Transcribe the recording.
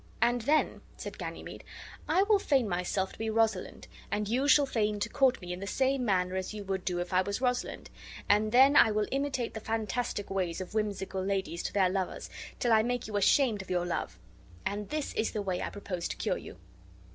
"And then," said Ganymede, "I will feign myself to be Rosalind, and you shall feign to court me in the same manner as you would do if I was Rosalind, and then I will imitate the fantastic ways of whimsical ladies to their lovers, till I make you ashamed of your love; and this is the way I propose to cure you."